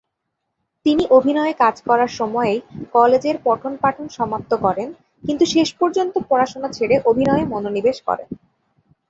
তিনি অভিনয়ে কাজ করার সময়েই কলেজের পঠন-পাঠন সমাপ্ত করেন, কিন্তু শেষ পর্যন্ত পড়াশোনা ছেড়ে অভিনয়ে মনোনিবেশ করেন।